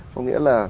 có nghĩa là